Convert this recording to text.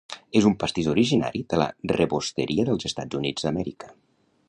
És un pastís originari de la rebosteria dels Estats Units d'Amèrica.